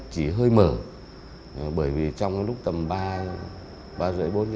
chưa có gì khả quan